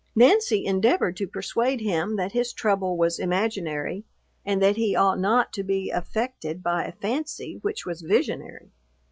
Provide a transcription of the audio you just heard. Nancy endeavored to persuade him that his trouble was imaginary, and that he ought not to be affected by a fancy which was visionary.